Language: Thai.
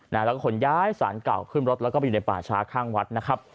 แล้วก็ขนย้ายสารเก่าขึ้นรถแล้วก็ไปอยู่ในป่าช้าข้างวัดนะครับ